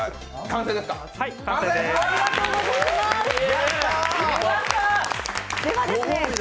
完成です。